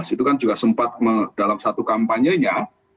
itu kan juga sempat dalam satu kampanyenya